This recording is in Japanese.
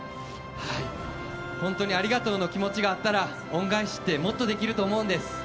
本当にありがとうの気持ちがあったら恩返しってもっとできると思うんです。